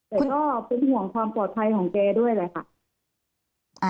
แต่ก็เป็นห่วงความปลอดภัยของแกด้วยแหละค่ะ